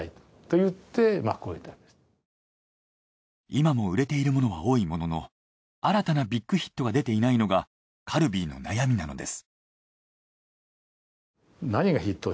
今も売れているものは多いものの新たなビッグヒットが出ていないのがカルビーの悩みなのです。